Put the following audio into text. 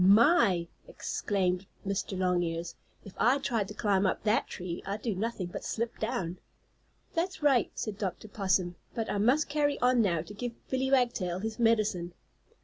"My!" exclaimed Mr. Longears. "If I tried to climb up that tree I'd do nothing but slip down." "That's right," said Dr. Possum. "But I must hurry on now to give Billie Wagtail his medicine."